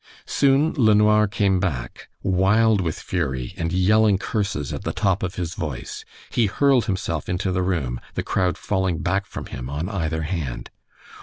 Soon LeNoir came back, wild with fury, and yelling curses at the top of his voice. He hurled himself into the room, the crowd falling back from him on either hand.